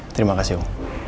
terima kasih om